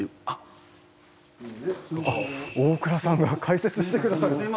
あっ大倉さんが解説してくださる。